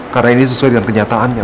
karena ini sesuai dengan kenyataannya